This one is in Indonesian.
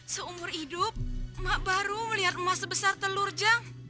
seumur hidup emak baru melihat emas sebesar telur jang